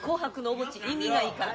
縁起がいいから。